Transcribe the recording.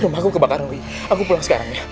rumahku kebakaran aku pulang sekarang ya